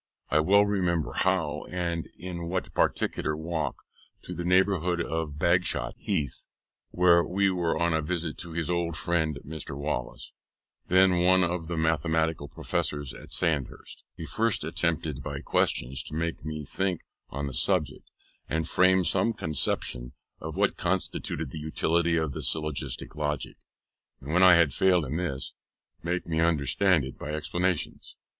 I well remember how, and in what particular walk, in the neighbourhood of Bagshot Heath (where we were on a visit to his old friend Mr. Wallace, then one of the Mathematical Professors at Sandhurst) he first attempted by questions to make me think on the subject, and frame some conception of what constituted the utility of the syllogistic logic, and when I had failed in this, to make me understand it by explanations.